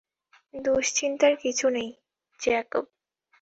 দুশ্চিন্তার কিছু নেই, জ্যাকব।